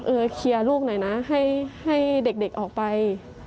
เคลียร์ลูกหน่อยนะให้เด็กออกไป